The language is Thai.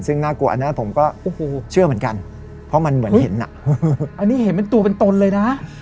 ซึ่งน่ากลัวอันนั้นผมก็โอ้โหเชื่อเหมือนกันเพราะมันเหมือนเห็นอ่ะอันนี้เห็นเป็นตัวเป็นตนเลยนะ